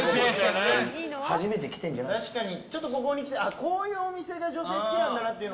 ちょっとここに来てこういうお店が女性は好きなんだなっていう。